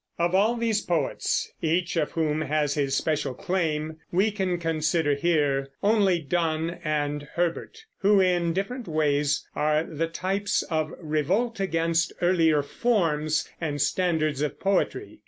Of all these poets, each of whom has his special claim, we can consider here only Donne and Herbert, who in different ways are the types of revolt against earlier forms and standards of poetry.